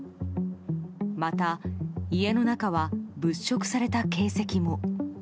また、家の中は物色された形跡も。